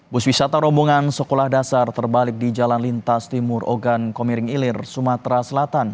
bus wisata rombongan sekolah dasar terbalik di jalan lintas timur ogan komiring ilir sumatera selatan